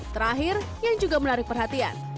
terakhir yang juga menarik perhatian